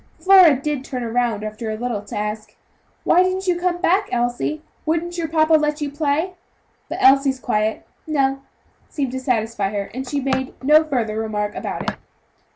Flora did turn round after a little, to ask: "Why didn't you come back, Elsie; wouldn't your papa let you play?" But Elsie's quiet "no" seemed to satisfy her, and she made no further remark about it.